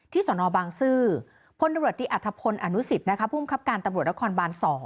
ที่สนบางซื่อพดิอัธพลอนุสิตพคตบบ๒